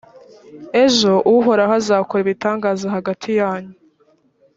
ejo uhoraho azakora ibitangaza hagati yanyu.»